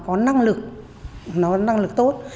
nó có năng lực nó có năng lực tốt